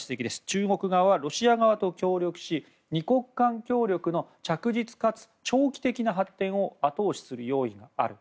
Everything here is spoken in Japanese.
中国側はロシア側と協力し２国間協力の着実かつ長期的な発展を後押しする用意がある。